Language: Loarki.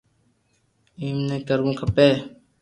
ايم ني ڪرووُ کپي